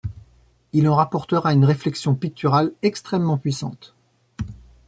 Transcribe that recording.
Il en rapportera une réflexion picturale extrêmement puissante.